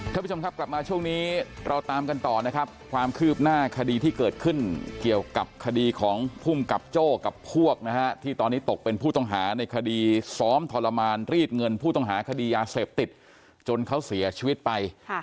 ท่านผู้ชมครับกลับมาช่วงนี้เราตามกันต่อนะครับความคืบหน้าคดีที่เกิดขึ้นเกี่ยวกับคดีของภูมิกับโจ้กับพวกนะฮะที่ตอนนี้ตกเป็นผู้ต้องหาในคดีซ้อมทรมานรีดเงินผู้ต้องหาคดียาเสพติดจนเขาเสียชีวิตไป